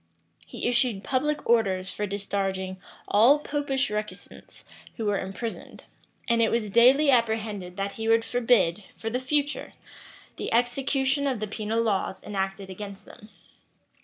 He issued public orders for discharging all Popish recusants who were imprisoned; and it was daily apprehended that he would forbid, for the future, the execution of the penal laws enacted against them.